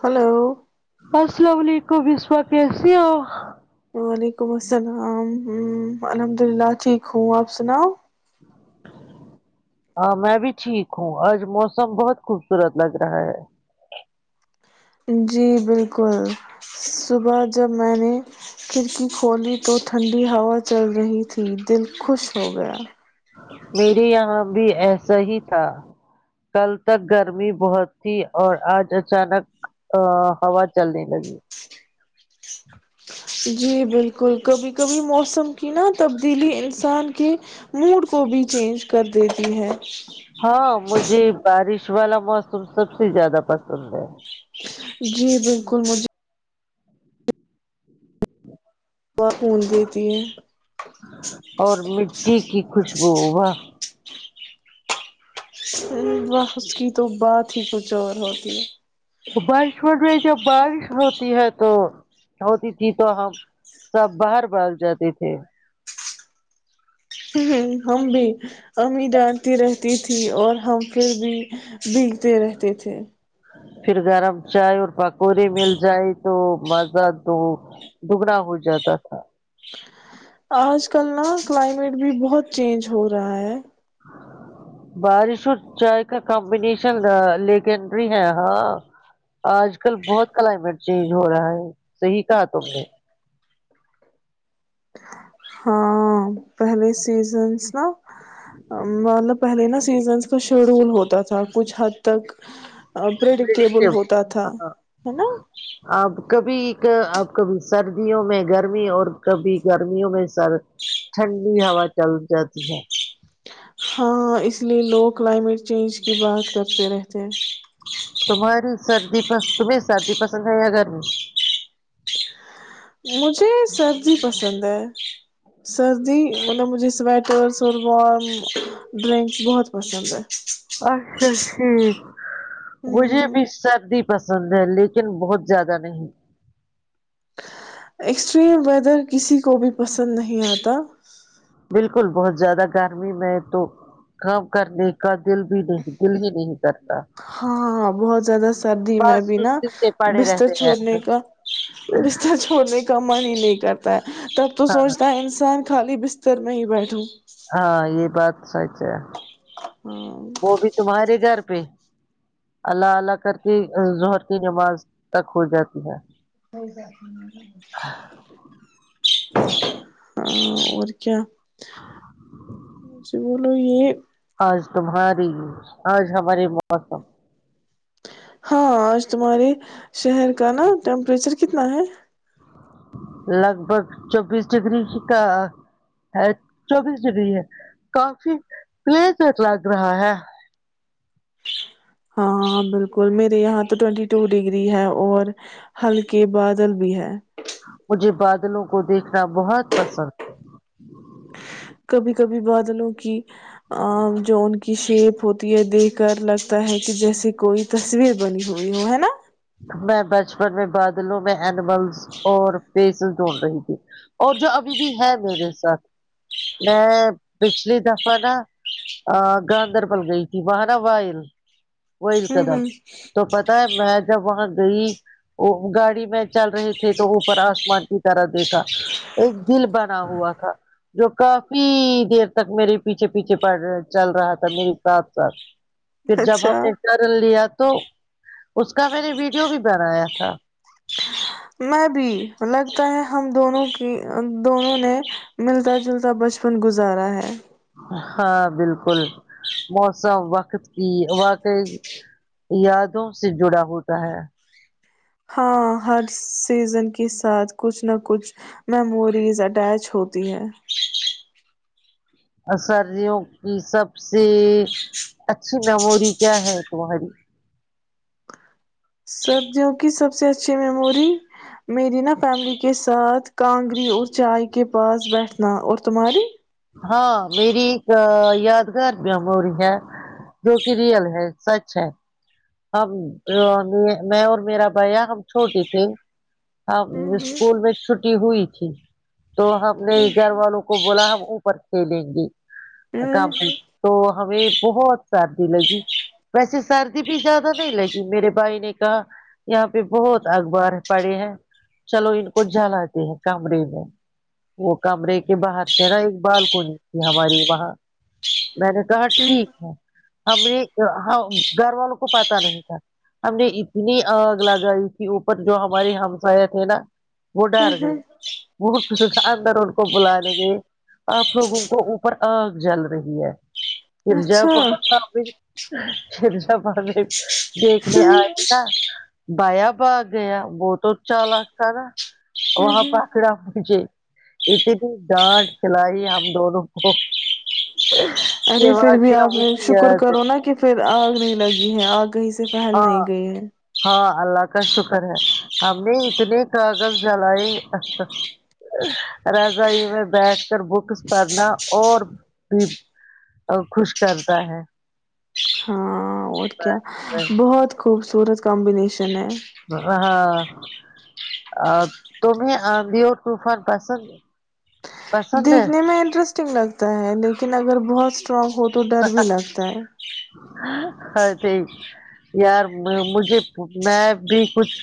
Hello السلام علیکم وسوا کیسی ہو وعلیکم السلام ہ الحمد اللہ ٹھیک ہوں آپ سناؤ ہاں میں بھی ٹھیک ہوں آج موسم بہت خوبصورت لگ رہا ہے جی بالکل صبح جب میں نے کھڑکی کھولی تو ٹھنڈی ہوا چل رہی تھی دل خوش ہو گیا میری یہاں بھی ایسا ہی تھا کل تک گرمی بہت تھی اور آج اچانک ا ہوا چلنے لگی جی بالکل کبھی کبھی موسم کی نا تبدیلی انسان کے موڈ کو بھی چینج کر دیتی ہے ہاں مجھے بارش والا موسم سب سے زیادہ پسند ہے جی بالکل مجھے وہ ہ جی تین [inaudible] اور مٹی کی خوشبو واہ بسس کی تو بات ہی کچھ اور ہوتی ہے بارش پڑ رہی ہے جب بارش ہوتی ہے تو ہوتی تھی تو ہم سب باہر بھاگ جاتے تھے ہ ہم بھی امی ڈانتی رہتی تھی اور ہم پھر بھی بگتے رہتے تھے پھر گرم چائے اور پکوڑے مل جائے تو مزہ تو دگنا ہو جاتا تھا آج کل نا کلائمیٹ بھی بہت چینج ہو رہا ہے بارش اور چائے کا کمبینیشن لیکنڈری ہے ہاں آج کل بہت کلائمیٹ چینج ہو رہا ہے صحی کہا ت نے ہاں پہلے سیزنس نا مطلب پہلے نہا سیزنس کا شیڈول ہوتا تھا کچھ حد تک پرڈکٹیبل پریڈکٹیو۔ ہوتا تھا ہاں ہے نا آپ کبھی اب کبھی سردیوں میں گرمی اور کبھی گرمیوں میں سر ٹھنڈی ہوا چل جاتی ہے ہاں اس لیے لوگ کلائمیٹ چینج کی بات کرتے رہتے ہیں تمہاری سردی پس تمہیں سردی پسند ہے یا گھر میں مجھے سردی پسند ہے سردی مطلب مجھے سویٹر سم ڈرنکس بہت پسند ہے اچھا شی مھے بھی سردی پسند ہے لیکن بہت زیادہ نہیں ایکسٹریم ویدر کسی کو بھی پسند نہیں آتا بالکل بہت زیادہ گرمی میں تو کام کرنے کا دل بھی نہیں دل ہی نہیں کرتا ہاںاں بہت زیادہ سردی میں بس اب نا سستی سے پڑے بستر رہتے ہیں چھوڑنے کا بستر چھوڑنے کا من ہی نہیں کرتا ہے تب تو سوچتا ہے انسان خالی بستر میں ہی بیٹھوں ہاں یہ بات س اچ ہاں وہ بھی تمہارے گھر پ اللہلہ کر کے ظہر کی نماز تک ہو جاتی ہے [unintelligible] [unintelligible] جسے بولو یہ آج تمہاری آج ہمارے موسم ہاں آج تمہارے شہر کا نا ٹیمپریچر کتنا ہے لگ بھگ چوبیس ڈگری کا ہے چوبیس ڈگری ہے کافی کلیز تک لگ رہا ہے ہاں بالکل میرے یہاں تو ٹوینٹی ٹو ڈگری ہے اور ہلکے بادل بھی ہے مجھے بادلوں کو دیکھنا بہت پسند ہے کبھی کبھی بادلوں کی جو ان کی شیپ ہوتی ہے دیکھ کر لگتا ہے کہ جیسے کوئی تصویر بنی ہوئی ہو ہے نا میں بچپن میں بادلوں میں اینیملس اور فش دوڑ رہی تھی اور جو ابھی بھی ہے میرے ساتھ میں پچھلی دفعہ نا گاندربل گئی تھی وہاں نا وائل وہل ہوں قدم ہوں تو پتا ہے بہت جب وہاں گئی وہ گاڑی میں چل رہے تھے تو اوپر آسمان کی طرح دیکھا ایک دل بنا ہوا تھا جو کافی دیر تک میرے پیچھے پیچھے پڑ چل رہا تھا میرے ساتھ ساتھ پھر جب ہم اچھا نے کر لیا تو اس کا میں نے ویڈیو بھی بنایا تھا میں بھی لگتا ہے ہم دونوں کی دونوں نے ملتا جلتا بچپن گزارا ہے ہاں بالکل موسم وقت کی واقعی یادوں سے جڑا ہوتا ہے ہاں ہر سیزن کے ساتھ کچھ نہ کچھ میموریز اٹیچ ہوتی ہے سروں کی سب سے اچھی میموری کیا ہے تمہاری سردیوں کی سب سے اچھی میموری میری نا فیملی کے ساتھ کانگری اور چائے کے پاس بیٹھنا اور تمہاری ہاں میری ایک یادگار میموری ہے جو کہ ریئل ہے سچ ہے ہم میں اور میرا بھیا ہم چھوٹے تھے ہم ہ اسکول میں چھٹی ہوئی تھی تو ہم نے گھر والوں کو بولا ہم اوپر کھیلیں گے ہ ہ کام میں تو ہمیں بہت سردی لگی ویسے سردی زیادہ نہیں لگی میرے بھائی نے کہا یہاں پہ بہت اخبار پڑے ہیں چلو ان کو جلاتے ہیں کمرے میں وہ کمرے کے باہر سے نا ایک بالکنی تھی ہماری وہاں میں نے کہا ٹھیک ہے ہم نے گھر والوں کو پت نہیں تھا ہم نے اتنی آگ لگائی تھی اوپر جو ہماری ہمسا تھے نا وہ ڈر گئی وہ اندر ان کو بلے گئے آپ لوگوں کو اوپر آگ جل رہی ہے پھر اچھا جب ش شا پاب دیکھنے آئی نا بایا بھاگ گیا وہ تو اچا لگتا نا وہاں پکڑا مجھے اتنی ڈانٹ کلائی ہم دونوں کو ارے یہ پھر بھی واقعہ آپ نے مجھے شکر یاد ہے کرو نا کہ پھر آگ نہیں لگی جی آ گئی سے باہر ہاں نہیں گئی ہے ہاں اللہ کا شکر ہے ہم نے اتنے کاغذ جلائے رضائی میں بیٹھ کر بکس پڑھنا اور بھی خوش کرتا ہے ہاں اور کیا بہت خوبصورت کمبنیشن ہاں ا تمیں آدھی اور طوفان پسند پسند ہے دیکھنے میں انٹرسٹنگ لگتا ہے لیکن اگر بہت اسٹرانگ ہو تو ڈر بھی لگتا ہے ہ صی یار مجھے میں بھی کچھ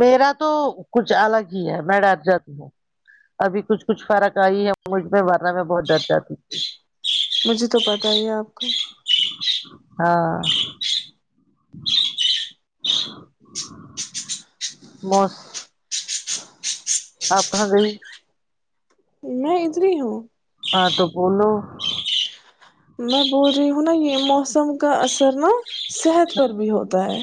میرا تو کچھ الگ ہی ہے میں ڈر جاتی ہوں ابھی کچھ کچھ فرق آئی ہے مجھ میں مرنا میں بہت ڈر جاتی تھی مجھے تو پتہ ہی آپ کا [inaudible] بس آپ کہاں گئی میں ا رہری ہوں ہاں تو بولو میں بول رہی ہوں نا یہ موسم کا اثر نا صحت پر بھی ہوتا ہے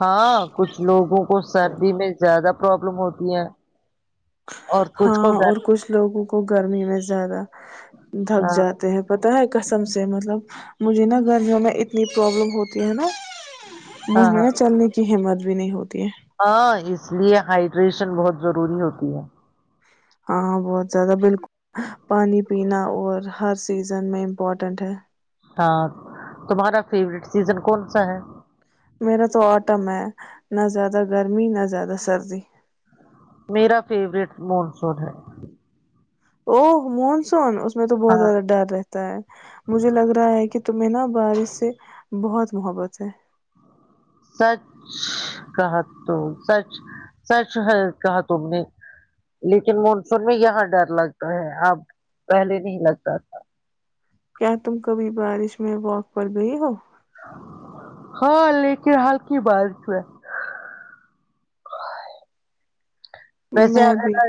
ہاں کچھ لوگوں سردی میں زیادہ پرابلم ہوتی ہیں ہاں اور کچھ لوگ گرمی میں زیادہ تھک ہاں جاتے ہیں پر پتہ ہے قسم سے مجھے نہ گرمیوں میں اتنی پرابلم ہوتی ہے ہاں مجھ میں ہاں نا چلنے کی ہمت بھی نہیں ہوتی ہے ہاں اس لیے ہائڈریشن بہت ضروری ہوتی ہے ہاں بہت زیادہ بالکل پانی پینا اور ہر سیزن میں امپورٹینٹ ہے ہاں تمہارا فیوریٹ سیزن کون سا ہے میرا تو آٹم ہے نہ زیادہ گرمی نہ زیادہ سردی میرا فیورٹ مونسون ہے او مونسون [unintelligible] تو بہت ہاں زیادہ ڈر رہتا ہے مجھے لگ رہا ہے کہ تمہیں نہ بارش سے بہت زیادہ محبت ہے سچ کہا تو سچ سچ ہے کہا تم نے لیکن مانسون میں یہاں ڈر لگتا ہے اب پہلے نہیں لگتا تھا کیا تم کبھی بارش میں واک پر گئی ہو ہاں لیکن حال کی بات ہو ہے ویسے میں بھی ا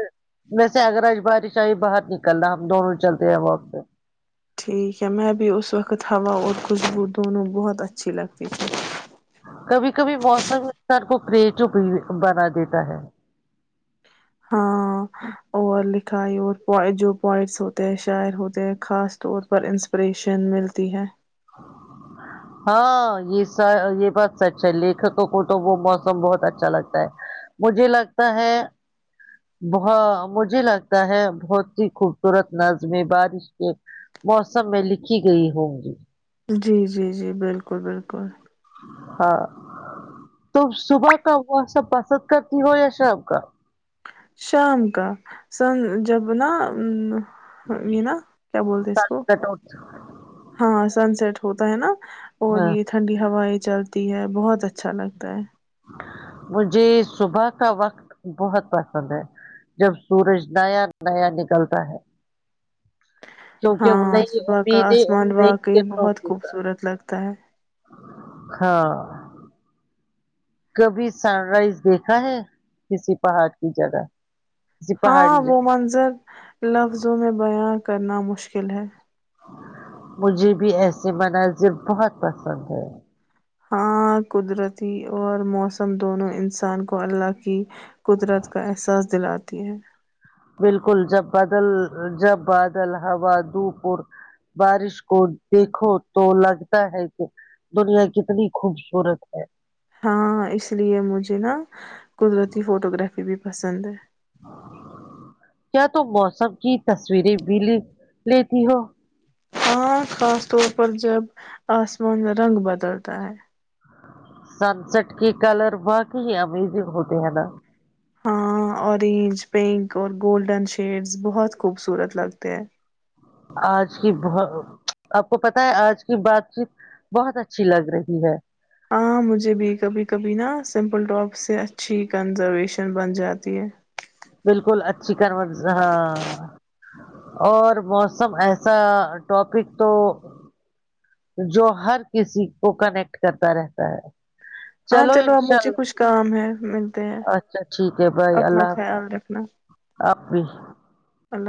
ویسے اگرگر بارشاہ ہی باہر نکلنا ہم دونوں چلتے ہیں وقت سے ٹھیک ہے میں بھی اس وقت ہوا اور خوشبو دونوں بہت اچھی لگتی تھی کبھی کبھی موسم انسان کو تزپ بنا دیتا ہے ہاں اور لکھائی اور جو پوائٹس ہوتے ہیں شاعر ہوتے ہیں خاص طور پر انسپریشن ملتی ہے ہاں یہ س یہ بات سچ ہے لیکھکوں کو تو وہ موسم بہت اچھا لگتا ہے مجھے لگتا ہے ب مجھے لگتا ہے بہت ہیی خوبصورت نظم بارش کے موسم میں لکھی گئی ہوں گی جی جی جی بالکل بالکل ہاں تو صبح کا وہ سب پسند کرتی ہو یا شام کا شام کا سن جب نا [unintelligible] یہینا کیا بولتے اس کو ہاں سن سٹ [unintelligible] ہوتا ہے نا اور ہاں، یہ ٹنڈی ہوا ہے چلتی ہے بہت اچھا لگتا ہے مجھے صبح کا وقت بہت پسند ہے جب سورج نیا نیا نکلتا ہے کیونکہ وہ ہاں نئی صبح کا امیدیں اور آسمان نئی واقعی کرنوں بہت کے ساتھ خوبصورت لگتا ہے ہاں کبھی سن رائز دیکھا ہے کسی پہاڑ کی جگہ کسی ہاں پہاڑی وہ جگہ منظر لفظوں میں بیاں کرنا مشکل ہے مجھے بھی ایسے مناظر بہت پسند ہے ہاں قدرتی اور موسم دونوں انسان کو اللہ قدرت کا احساس دلاتی ہے بالکل جب بدل جب بادل ہوا دپور بارش کو دیکھو تو لگتا ہے کہ دنیا کتنی خوبصورت ہے ہاں اس لیے مجھے نا قدرتی فوٹو گرافی بھی پسند ہے کیا تم موسم کی تصویریں بھی ل لیتی ہو ہاں خاص طور پر جب آسمان میں رنگ بدلتا ہے سن سٹ کے کلر باقی ہی امیزنگ ہوتے ہیں نا ہاں اورینج پنک اور گولڈن شیڈز بہت خوبصورت لگتے ہیں آج کی بت آپ کو پت ہے آج کی بات چیت بہت اچھی لگ رہی ہے ہاں مجھے بھی کبھی کبھی نا سمپل ڈراپ سے اچھی کنزرویشن بن جاتی ہے بالکل اچھی کر ہاں اور موسم ایسا ٹاپک تو جو ہر کسی کو کنیکٹ کرتا رہتا ہے ہاں چلو اب انشاء مجھے اللہ کچھ کام ہے ملتے ہیں اچھا ٹھیک ہے بھائی اپنا اللہ خل خیال رکھنا حافظ آپ بھی اللہ